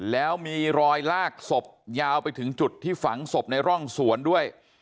แล้วมีรอยลากศพยาวไปถึงจุดที่ฝังศพในร่องสวนด้วย